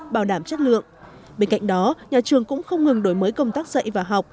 bảo đảm chất lượng bên cạnh đó nhà trường cũng không ngừng đổi mới công tác dạy và học